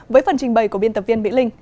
với phần trình bày của biên tập viên mỹ linh